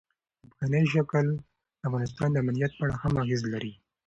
ځمکنی شکل د افغانستان د امنیت په اړه هم اغېز لري.